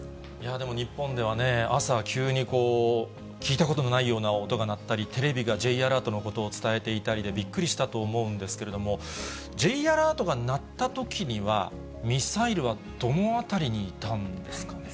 でも日本ではね、朝、急にこう、聞いたことのないような音が鳴ったり、テレビがＪアラートのことを伝えていたりでびっくりしたと思うんですけれども、Ｊアラートが鳴ったときには、ミサイルはどの辺りにいたんですかね。